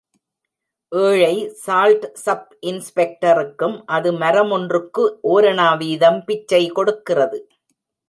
ஏழை ஸால்ட் ஸப் இன்ஸ்பெக்டருக்கும் அது மரமொன்றுக்கு ஓரணா வீதம் பிச்சை கொடுக்கிறது.